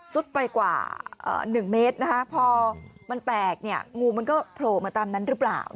สุดไปกว่า๑เมตรนะคะพอมันแตกเนี่ยงูมันก็โผล่มาตามนั้นหรือเปล่า